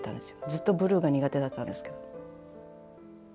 ずっとブルーが苦手だったんですけど。